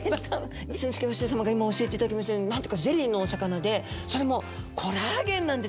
志の輔師匠様が今教えていただきましたように何ていうかゼリーのお魚でそれもコラーゲンなんですよね。